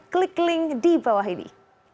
klik link di bawah ini